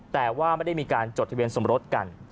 แต่ว่าไม่ได้มีการจดทะเบียนสมรสกัน